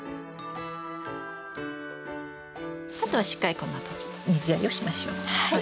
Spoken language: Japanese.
あとはしっかりこのあと水やりをしましょう。